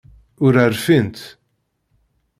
Ur rfint.